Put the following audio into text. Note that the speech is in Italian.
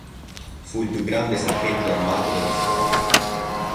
Fu il più grande saccheggio armato della storia.